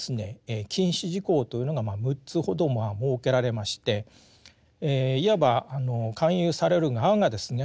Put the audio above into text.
禁止事項というのが６つほど設けられましていわば勧誘される側がですね